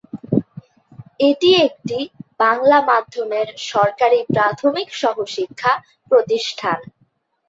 এটি একটি বাংলা মাধ্যমের সরকারী প্রাথমিক সহশিক্ষা প্রতিষ্ঠান।